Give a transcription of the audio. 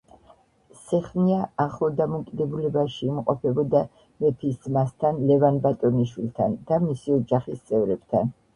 სეხნია ახლო დამოკიდებულებაში იმყოფებოდა მეფის ძმასთან ლევან ბატონიშვილთან და მისი ოჯახის წევრებთან.